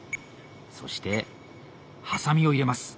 そしてハサミを入れます。